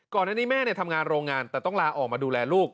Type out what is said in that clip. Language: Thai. ก่อนหน้านี้แม่ทำงานโรงงานแต่ต้องลาออกมาดูแลลูก